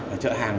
ở chợ hằng